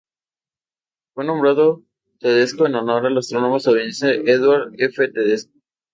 Fue nombrado Tedesco en honor al astrónomo estadounidense Edward F. Tedesco.